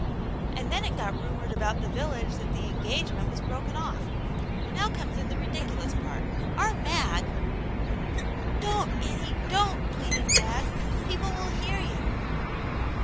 And then it got rumoured about the village that the engage nfient was broken off. Now comes in the ridiculous part. Our Mag " "Don*t, Annie, don't/' pleaded Mag. "People will hear you